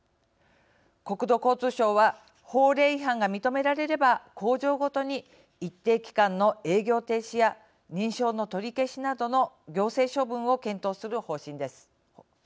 国土交通省は法令違反が認められれば工場ごとに一定期間の営業停止や認証の取り消しなどの行政処分を検討する方針です。